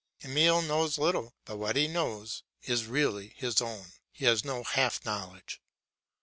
Emile knows little, but what he knows is really his own; he has no half knowledge.